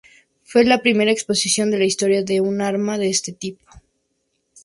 Fue la primera explosión de la historia de un arma de este tipo.